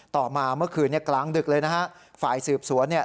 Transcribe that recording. ต่อมาเมื่อคืนนี้กลางดึกเลยนะฮะฝ่ายสืบสวนเนี่ย